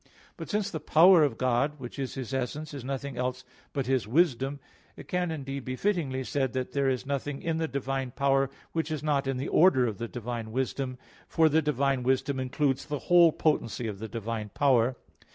But since the power of God, which is His essence, is nothing else but His wisdom, it can indeed be fittingly said that there is nothing in the divine power which is not in the order of the divine wisdom; for the divine wisdom includes the whole potency of the divine power.